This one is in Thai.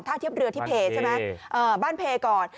ถ้าเทียบเรือที่เพใช่ไหมบ้านเพก่อน